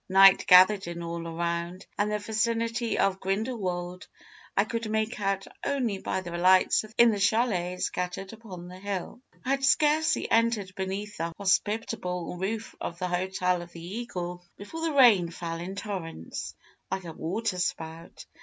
Night gathered in all around, and the vicinity of Grindelwald I could make out only by the lights in the châlets scattered upon the hill. "I had scarcely entered beneath the hospitable roof of the hotel of the Eagle, before the rain fell in torrents, like a waterspout.